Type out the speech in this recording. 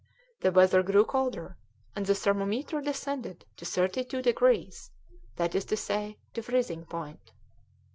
The weather grew colder, and the thermometer descended to thirty two degrees, that is to say to freezing point.